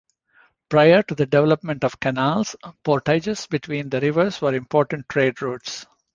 Prior to the development of canals, portages between the rivers were important trade routes.